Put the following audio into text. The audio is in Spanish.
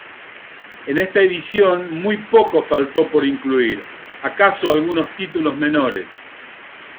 En esta edición muy poco faltó por incluir, acaso algunos títulos menores.